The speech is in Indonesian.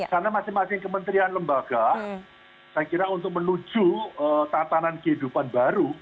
karena masing masing kementerian lembaga saya kira untuk menuju tatanan kehidupan baru